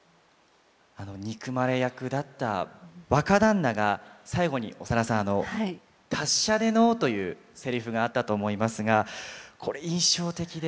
あの憎まれ役だった若旦那が最後に長田さんあの「達者でのう」というセリフがあったと思いますがこれ印象的で。